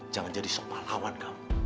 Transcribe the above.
jangan jadi sopa lawan kamu